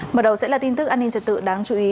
mở đầu sẽ là tin tức an ninh trật tự đáng chú ý